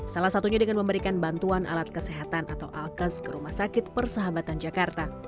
salah satunya dengan memberikan bantuan alat kesehatan atau alkes ke rumah sakit persahabatan jakarta